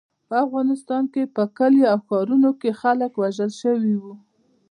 په افغانستان کې په کلیو او ښارونو کې خلک وژل شوي وو.